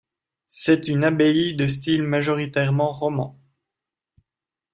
C'est une abbaye de style majoritairement roman.